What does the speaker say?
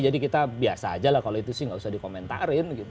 jadi kita biasa aja lah kalau itu sih nggak usah dikomentarin